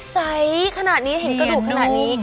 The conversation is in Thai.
ใสขนาดนี้เห็นกระดูกขนาดนี้